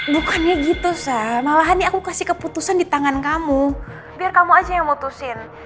bukannya gitu sah malahan nih aku kasih keputusan di tangan kamu biar kamu aja yang mutusin